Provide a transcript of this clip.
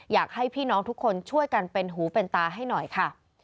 อยากให้พี่น้องทุกคนช่วยกันเป็นหูเป็นตาให้หน่อยค่ะ